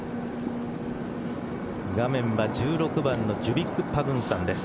画面は１６番のジュビック・パグンサンです。